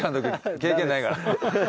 経験ないから。